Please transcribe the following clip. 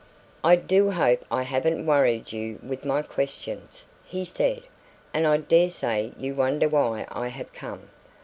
"I do hope I haven't worried you with my questions," he said, "and I daresay you wonder why I have come.